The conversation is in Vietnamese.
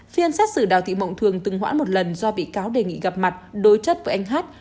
phiên xét xử đào thị mộng thường từng hoãn một lần do bị cáo đề nghị gặp mặt đối chất với anh hát